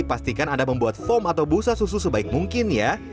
pastikan anda membuat foam atau busa susu sebaik mungkin ya